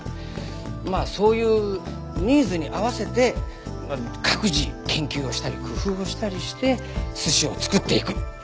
まあそういうニーズに合わせて各自研究をしたり工夫をしたりして寿司を作っていく。